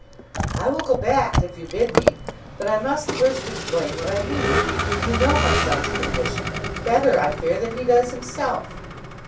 "I will go back if you bid me, but I must first explain what I mean. You know my son's condition, better, I fear, than he does himself."